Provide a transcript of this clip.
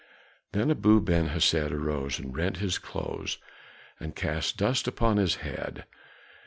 Then Abu Ben Hesed arose and rent his clothes and cast dust upon his head.